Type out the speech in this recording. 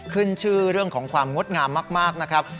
ขึ้นชื่อเรื่องของความงดงามมากนะครับ